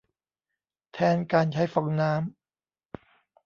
แทนการใช้ฟองน้ำ